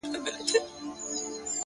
زړه تا دا كيسه شــــــــــروع كــړه.!